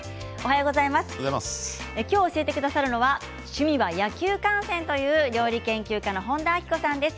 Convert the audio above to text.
今日教えてくださるのは趣味は野球観戦という料理研究家の本田明子さんです。